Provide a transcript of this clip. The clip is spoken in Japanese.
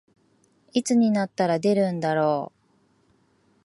いつになったら出るんだろう